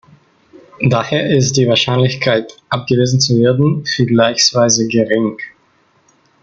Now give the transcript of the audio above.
Daher ist die Wahrscheinlichkeit, abgewiesen zu werden, vergleichsweise gering.